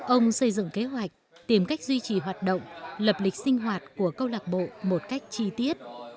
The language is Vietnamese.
ông xây dựng kế hoạch tìm cách duy trì hoạt động lập lịch sinh hoạt của câu lạc bộ một cách chi tiết